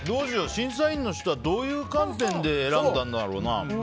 審査員の人はどういう観点で選んだんだろうな。